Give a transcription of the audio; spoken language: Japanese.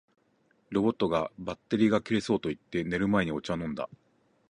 ロボットが「バッテリーが切れそう」と言って、寝る前にお茶を飲んだ